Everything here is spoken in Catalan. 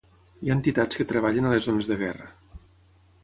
Hi ha entitats que treballen a les zones de guerra.